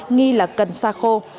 nghi là cần sa khô